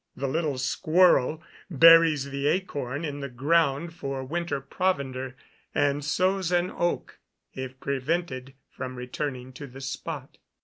The little squirrel buries the acorn in the ground for winter provender, and sows an oak, if prevented from returning to the spot.